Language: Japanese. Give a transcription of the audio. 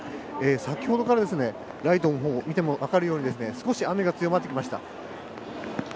先ほどから、ライトの方を見ても分かるように少し雨が強まってきました。